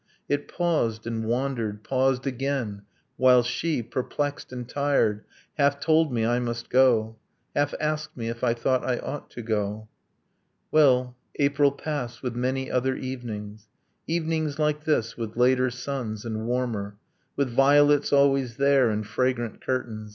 It paused ... and wandered ... paused again; while she, Perplexed and tired, half told me I must go, Half asked me if I thought I ought to go ... Well, April passed with many other evenings, Evenings like this, with later suns and warmer, With violets always there, and fragrant curtains